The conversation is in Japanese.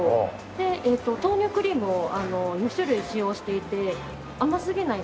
で豆乳クリームを２種類使用していて甘すぎない